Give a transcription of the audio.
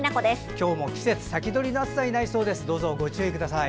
今日も季節先取りの暑さになりそうですのでご注意ください。